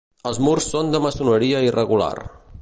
Els murs són de maçoneria irregular.